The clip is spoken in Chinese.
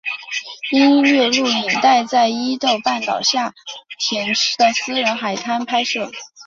音乐录影带在伊豆半岛下田市的私人海滩拍摄。